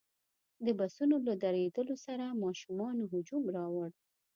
د بسونو له درېدلو سره ماشومانو هجوم راوړ.